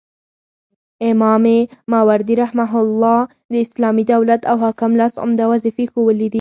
امام ماوردي رحمه الله د اسلامي دولت او حاکم لس عمده وظيفي ښوولي دي